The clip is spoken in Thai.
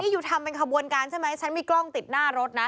อยู่ทำเป็นขบวนการใช่ไหมฉันมีกล้องติดหน้ารถนะ